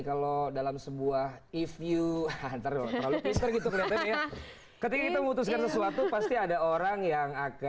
kalau dalam sebuah if you hantar terlalu keter gitu ketika memutuskan sesuatu pasti ada orang yang